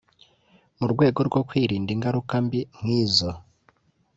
mu rwego rwo kwirinda ingaruka mbi nk’izo